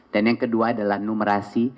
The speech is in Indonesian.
dan yang kedua adalah numerasi